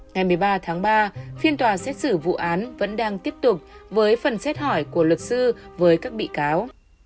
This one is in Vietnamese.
ngày một mươi ba tháng ba phiên tòa xét xử vụ án vẫn đang tiếp tục với phần xét hỏi của luật sư với các bị cáo